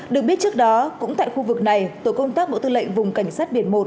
được biết trước đó cũng tại khu vực này tổ công tác bộ tư lệnh vùng cảnh sát biển một